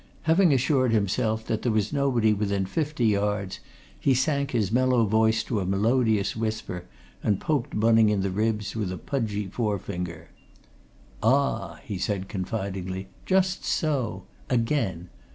Having assured himself that there was nobody within fifty yards, he sank his mellow voice to a melodious whisper, and poked Bunning in the ribs with a pudgy forefinger. "Ah!" he said confidingly. "Just so! Again!